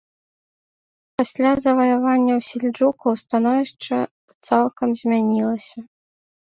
Пасля заваяванняў сельджукаў становішча цалкам змянілася.